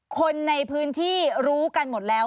คนในพื้นที่รู้กันหมดแล้ว